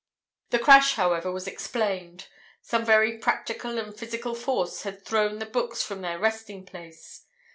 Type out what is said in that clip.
"The crash, however, was explained. Some very practical and physical force had thrown the books from their resting place.